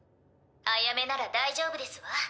アヤメなら大丈夫ですわ。